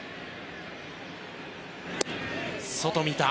外、見た。